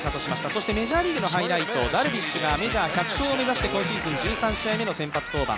そしてメジャーリーグのハイライト、ダルビッシュがメジャー１００勝を目指して今シーズン３回目の先発登板。